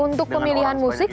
untuk pemilihan musik